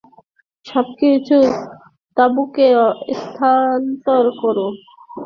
সবকিছু তাঁবুতে স্থানান্তর করো।